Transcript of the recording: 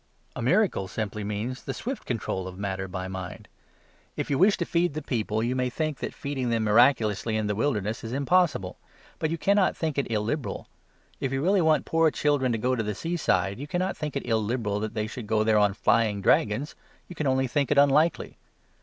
A miracle simply means the swift control of matter by mind. If you wish to feed the people, you may think that feeding them miraculously in the wilderness is impossible but you cannot think it illiberal. If you really want poor children to go to the seaside, you cannot think it illiberal that they should go there on flying dragons; you can only think it unlikely.